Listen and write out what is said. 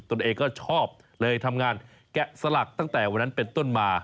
ตัวเองก็ชอบเลยทำงานแกะสลักตั้งแต่วันนั้นเป็นต้นมา